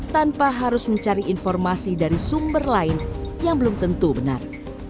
tanpa harus mencari informasi dari sumber lain yang belum tentu benar